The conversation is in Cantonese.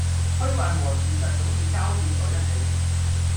虛幻和現實總是交疊在一起